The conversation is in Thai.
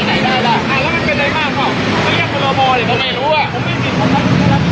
คนผมไม่ผิดบอกเดี๋ยวจะเป็นคนป้องได้